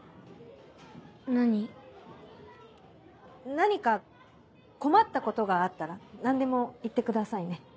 何か困ったことがあったら何でも言ってくださいね。